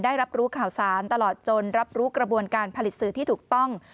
ได้รับรู้ข่าวสารตลอดจนรับรู้กระบวนการผลิตสื่อที่ถูกต้อง